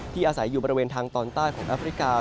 อาศัยอยู่บริเวณทางตอนใต้ของแอฟริกา